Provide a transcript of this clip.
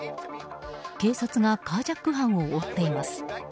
警察がカージャック犯を追っています。